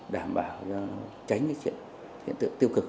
đảm bảo tránh những hiện tượng tiêu cực xảy ra